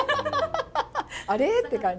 あれ？って感じ。